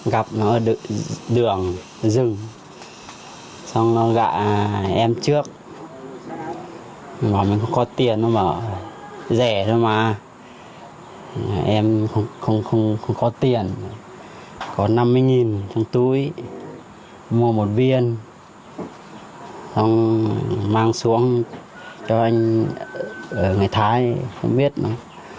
không có tiền có năm mươi trong túi mua một viên mang xuống cho anh ở người thái không biết đâu